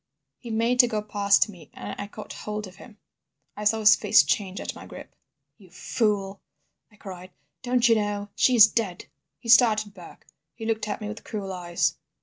"He made to go past me, and I caught hold of him. "I saw his face change at my grip. "'You fool,' I cried. 'Don't you know? She is dead!' "He started back. He looked at me with cruel eyes.